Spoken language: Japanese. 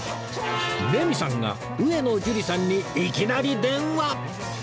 レミさんが上野樹里さんにいきなり電話！